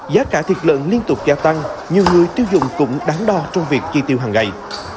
giá cả thịt lợn liên tục gia tăng nhiều người tiêu dùng cũng đắn đo trong việc chi tiêu hàng ngày